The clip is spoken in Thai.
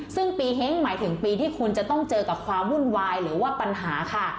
ซึ่งปีเฮ้งหมายถึงปีที่คุณจะต้องเจอกับความวุ่นวายหรือว่าปัญหาค่ะ